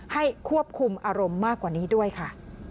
ให้ควบคุมอารมณ์มากกว่านี้ด้วยค่ะ